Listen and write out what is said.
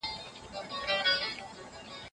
که ته پیاده لاړ شې نو ستا روغتیا به ښه شي.